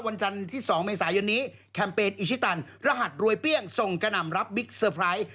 วันจันทร์ที่๒เมษายนนี้แคมเปญอิชิตันรหัสรวยเปรี้ยงส่งกระหน่ำรับบิ๊กเซอร์ไพรส์